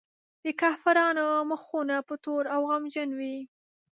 د کافرانو مخونه به تور او غمجن وي.